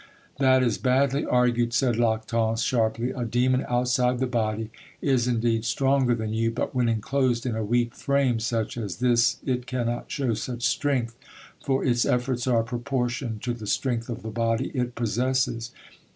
"That is badly argued," said Lactance sharply: "a demon outside the body is indeed stronger than you, but when enclosed in a weak frame such as this it cannot show such strength, for its efforts are proportioned to the strength of the body it possesses."